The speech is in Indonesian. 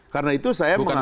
karena itu saya menganggap